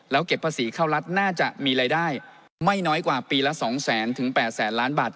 แล้วเก็บภาษีเข้ารัฐน่าจะมีรายได้ไม่น้อยกว่าปีละ๒๐๐๐๘แสนล้านบาท